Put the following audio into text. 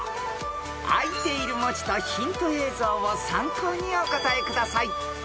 ［あいている文字とヒント映像を参考にお答えください］